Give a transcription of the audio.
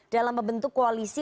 dalam membentuk koalisi